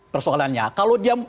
persoalannya kalau dia